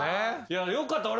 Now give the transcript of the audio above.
いやよかった